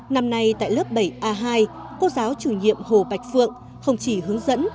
năm nay tại lớp bảy a hai cô giáo chủ nhiệm hồ bạch phượng không chỉ hướng dẫn